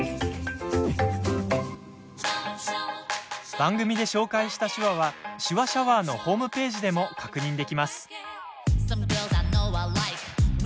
番組で紹介した手話は「手話シャワー」のホームページでも確認できます。